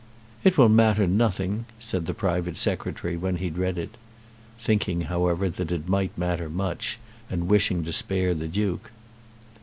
"It will matter nothing," said the private Secretary when he had read it, thinking, however, that it might matter much, but wishing to spare the Duke.